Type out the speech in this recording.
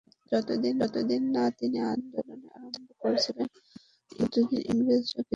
যতদিন না তিনি আন্দোলন আরম্ভ করেছিলেন, ততদিন ইংরেজরা কিছুই করেনি।